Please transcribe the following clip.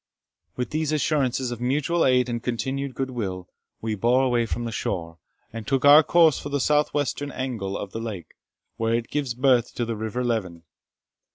With these assurances of mutual aid and continued good will, we bore away from the shore, and took our course for the south western angle of the lake, where it gives birth to the river Leven.